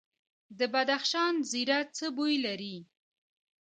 د بدخشان زیره څه بوی لري؟